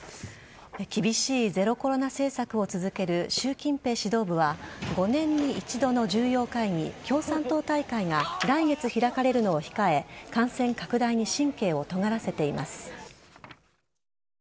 厳しいゼロコロナ政策を続ける習近平指導部は５年に一度の重要会議共産党大会が来月開かれるのを控え感染拡大に神経をとがらせています。